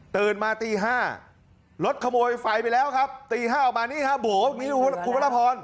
มาตี๕รถขโมยไฟไปแล้วครับตี๕ออกมานี่ฮะโหคุณพระราพร